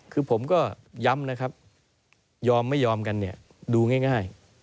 คือผมก็ย้ำนะครับยอมไม่ยอมกันเนี่ยดูง่าย